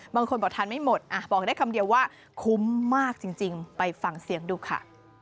บางคนบอกทานไม่หมดบอกได้คำเดียวว่าคุ้มมากจริงไปฟังเสียงดูค่ะ